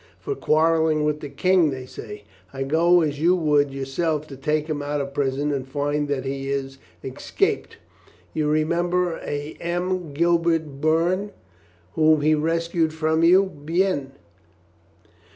For quarreling with the King, they say. I go as you would your self to take him out of prison and find that he is 420 COLONEL GREATHEART escaped. You remember a M. Gilbert Bourne, whom he rescued from you? Bien!